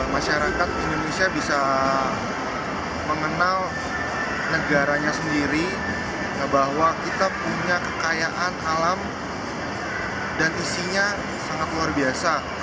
masyarakat indonesia bisa mengenal negaranya sendiri bahwa kita punya kekayaan alam dan isinya sangat luar biasa